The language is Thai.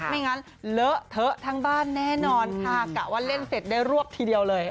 ไม่งั้นเลอะเทอะทั้งบ้านแน่นอนค่ะกะว่าเล่นเสร็จได้รวบทีเดียวเลย